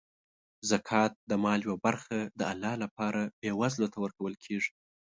زکات د مال یوه برخه د الله لپاره بېوزلو ته ورکول کیږي.